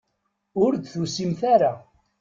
Ur d-tusimt ara.